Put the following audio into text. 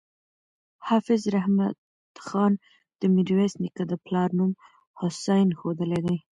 حافظ رحمت خان د میرویس نیکه د پلار نوم حسین ښودلی دی.